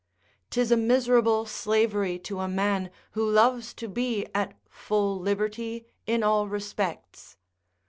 'Tis a miserable slavery to a man who loves to be at full liberty in all reapects.